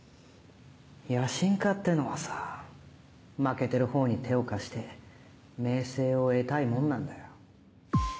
野心家ってのはさ負けてるほうに手を貸して名声を得たいもんなんだよ。